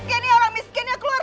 eh miskinnya keluar